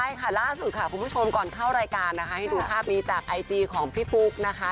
ใช่ค่ะล่าสุดค่ะคุณผู้ชมก่อนเข้ารายการนะคะให้ดูภาพนี้จากไอจีของพี่ปุ๊กนะคะ